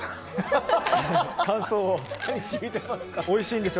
おいしい！